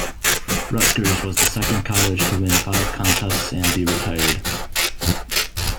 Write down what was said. Rutgers was the second college to win five contests and be retired.